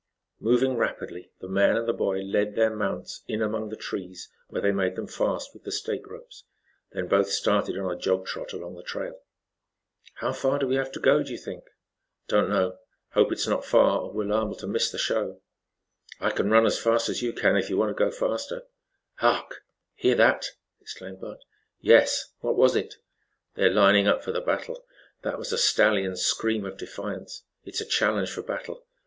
Moving rapidly, the man and the boy, led their mounts in among the trees, where they made them fast with the stake ropes. Then both started on a jog trot along the trail. "How far do we have to go do you think?" "Don't know. Hope it's not far or we're liable to miss the show." "I can run as fast as you can if you want to go faster." "Hark! Hear that?" exclaimed Bud. "Yes, what was it?" "They're lining up for the battle. That was a stallion's scream of defiance. It is a challenge for battle.